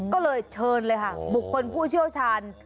ก็เลยเชิญเลยค่ะบุคคลผู้เชี่ยวชาญ